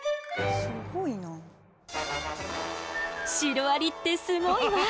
シロアリってすごいわ！